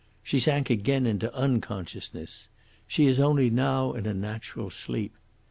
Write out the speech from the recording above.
She sank again into unconsciousness. She is only now in a natural sleep.